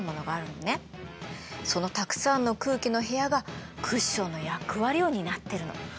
そのたくさんの空気の部屋がクッションの役割を担ってるの。